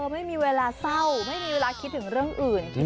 ไม่มีเวลาเศร้าไม่มีเวลาคิดถึงเรื่องอื่น